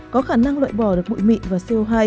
có khả năng loại bỏ được bụi mịn và co hai